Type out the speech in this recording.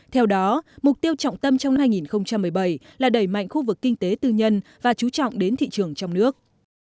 theo đó mục tiêu trọng tâm trong hai nghìn một mươi bảy là đẩy mạnh khu vực kinh tế tư nhân và chú trọng đến thị trường trong nước